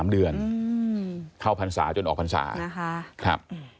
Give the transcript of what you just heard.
๓เดือนเข้าพรรษาจนออกพรรษานะคะ